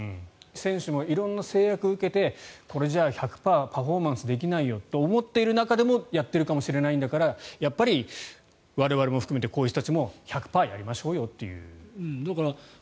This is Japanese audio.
選手も色んな制約を受けてこれじゃあ１００％パフォーマンスできないよと思いながらやっているかもしれないんだからやっぱり我々も含めてこうした人たちも１００％やりましょうよという。